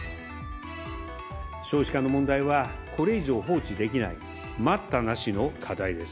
少子化の問題は、これ以上放置できない、待ったなしの課題です。